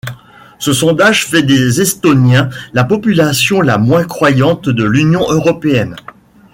Ce sondage fait des Estoniens la population la moins croyante de l'Union européenne.